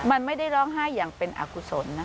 มันไม่ได้ร้องไห้อย่างเป็นอากุศลนะ